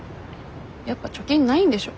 やっぱ貯金ないんでしょ。